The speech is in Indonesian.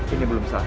ini belum saat